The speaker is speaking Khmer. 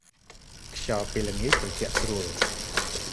ខ្យល់ពេលល្ងាចត្រជាក់ស្រួល។